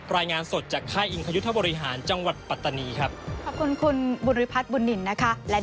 รายงานสดจากค่ายอิงคยุทธบริหารจังหวัดปัตตานีครับขอบคุณคุณบุริพัฒน์บุญนินนะคะ